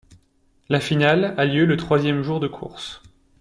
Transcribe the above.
La finale a lieu le troisième jour de course.